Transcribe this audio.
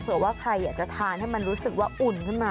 เผื่อว่าใครอยากจะทานให้มันรู้สึกว่าอุ่นขึ้นมา